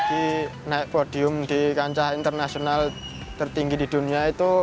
lagi naik podium di kancah internasional tertinggi di dunia itu